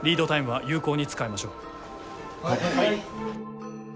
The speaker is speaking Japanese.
はい。